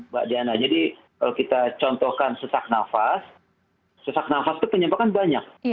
jadi kalau kita contohkan sesak nafas sesak nafas itu penyebabkan banyak